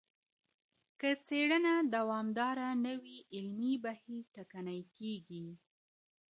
که څېړنه دوامداره نه وي علمي بهیر ټکنی کیږي.